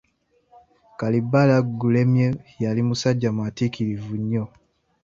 Kalibbala Gulemye yali musajja mwatiikirivu nnyo.